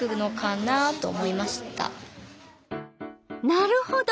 なるほど。